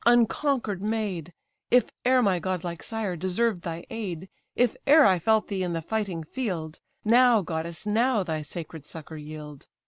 unconquer'd maid! If e'er my godlike sire deserved thy aid, If e'er I felt thee in the fighting field; Now, goddess, now, thy sacred succour yield.